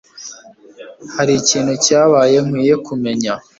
Hari ikintu cyabaye nkwiye kumenya?